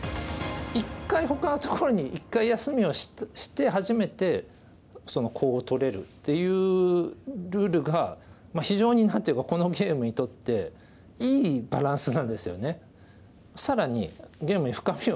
１回ほかのところに１回休みをして初めてそのコウを取れるっていうルールが非常に何ていうかこのゲームにとっていいバランスなんですよね。